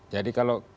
jadi kalau kembali ke